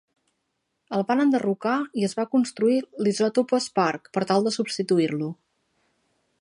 El van enderrocar i es va construir l'Isotopes Park per tal de substituir-lo.